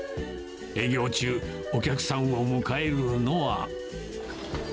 営業中、お客さんを迎えるのは。